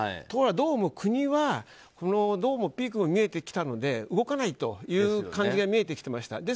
ところが、どうも国はピークが見えてきたので動かないという感じが見えていました。